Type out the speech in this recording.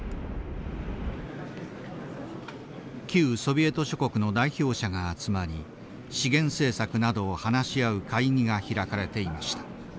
旧ソビエト諸国の代表者が集まり資源政策などを話し合う会議が開かれていました。